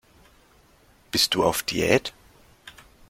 Bist du auf Diät?